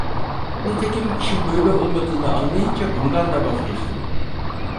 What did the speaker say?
Nitekim işin böyle olmadığını anlayınca bundan da vazgeçtim.